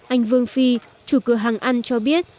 anh vương phi chủ cửa hàng ăn cho biết